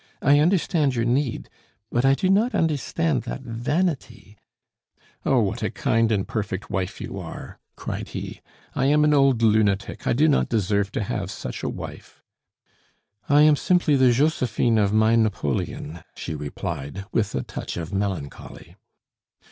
I understand your need but I do not understand that vanity " "Oh, what a kind and perfect wife you are!" cried he. "I am an old lunatic, I do not deserve to have such a wife!" "I am simply the Josephine of my Napoleon," she replied, with a touch of melancholy.